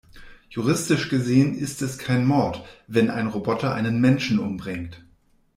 Juristisch gesehen ist es kein Mord, wenn ein Roboter einen Menschen umbringt.